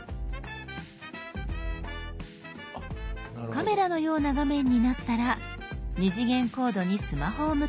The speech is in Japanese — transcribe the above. カメラのような画面になったら２次元コードにスマホを向けます。